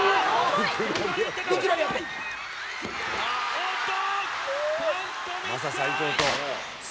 おっと。